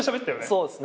そうっすね。